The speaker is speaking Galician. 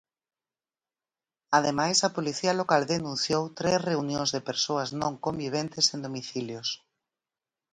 Ademais, a policía local denunciou tres reunións de persoas non conviventes en domicilios.